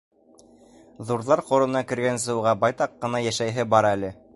Ҙурҙар ҡорона кергәнсе уға байтаҡ ҡына йәшәйһе бар әле.